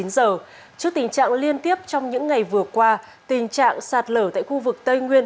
trước tình trạng liên tiếp trong những ngày vừa qua tình trạng sạt lở tại khu vực tây nguyên